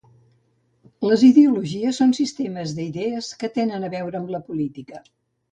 Les ideologies són sistemes d'idees que tenen a veure amb la política